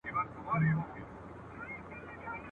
د اولیاوو او شیخانو پیر وو ..